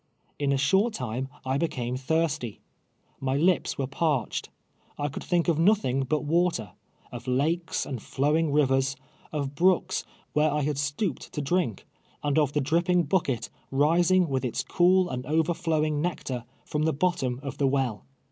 In a short time I became thirsty. ]\[y li])S were parched. I could thiidv of nothing but Avater — of lakes and flowing rivers, of l)rooks where I had stooped to drink, and of the dri])ping bucket, rising with its cool and overflowing nectar, from the bottom of the well.